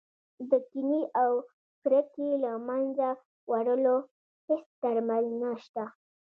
د کینې او کرکې له منځه وړلو هېڅ درمل نه شته.